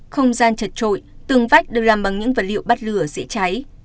không gian chật trội tường vách được làm bằng những vật liệu bắt lửa dễ cháy